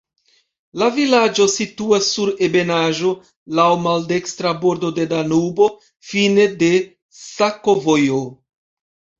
La vilaĝo situas sur ebenaĵo, laŭ maldekstra bordo de Danubo, fine de sakovojo.